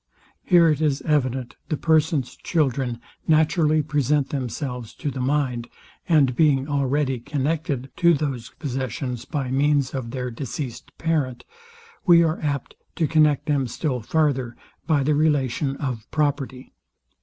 Here it is evident the persons children naturally present themselves to the mind; and being already. connected to those possessions by means of their deceased parent, we are apt to connect them still farther by the relation of property.